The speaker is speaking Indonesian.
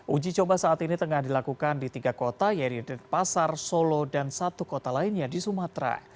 uji coba saat ini tengah dilakukan di tiga kota yaitu pasar solo dan satu kota lainnya di sumatera